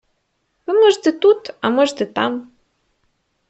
Ви можете тут, а можете там.